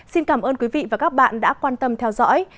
xin cảm ơn quý vị và các bạn đã quan tâm theo dõi